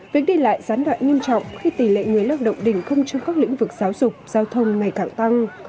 việc đi lại gián đoạn nghiêm trọng khi tỷ lệ người lao động đình không trong các lĩnh vực giáo dục giao thông ngày càng tăng